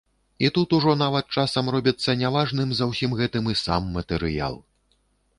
І тут ужо нават часам робіцца не важным за ўсім гэтым і сам матэрыял.